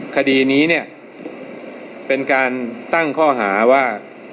คดีนี้เนี่ยเป็นการตั้งข้อหาว่า